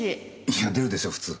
いや出るでしょ普通。